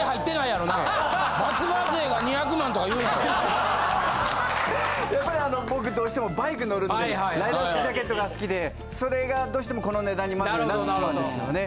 やっぱり僕どうしてもバイク乗るんでライダースジャケットが好きでそれがどうしてもこの値段にまずなってしまうんですよね。